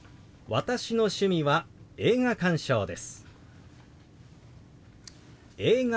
「私の趣味は映画鑑賞です」。